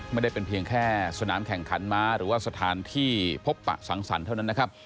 ไม่ได้เป็นเพียงแค่สนามแข่งขันม้าหรือว่าสถานที่พบปะสังสรรค์เท่านั้นนะครับ